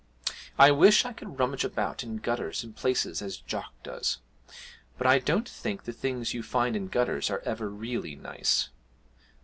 I wish I could rummage about in gutters and places as Jock does but I don't think the things you find in gutters are ever really nice.